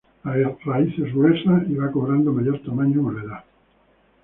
La raíz es gruesa, y va cobrando mayor tamaño con la edad.